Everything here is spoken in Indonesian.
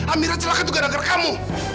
amira celaka juga dengan kamu